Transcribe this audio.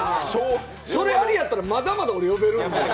それアリやったらまだまだ呼べるんで。